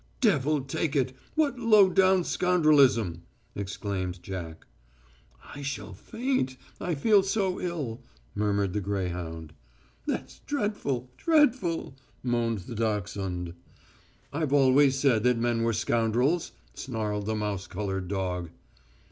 "Devil take it ... what low down scoundrelism!" exclaimed Jack. "I shall faint ... I feel so ill," murmured the greyhound. "That's dreadful ... dreadful ..." moaned the dachshund. "I've always said that men were scoundrels," snarled the mouse coloured dog.